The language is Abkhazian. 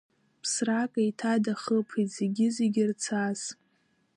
Ԥсрак еиҭа дахыԥеит, зегьы-зегьы рцас!